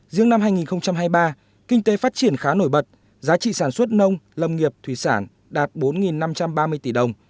riêng năm hai nghìn hai mươi ba kinh tế phát triển khá nổi bật giá trị sản xuất nông lâm nghiệp thủy sản đạt bốn năm trăm ba mươi tỷ đồng